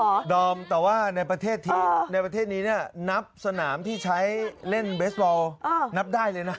ดอมแต่ว่าในประเทศในประเทศนี้เนี่ยนับสนามที่ใช้เล่นเบสบอลนับได้เลยนะ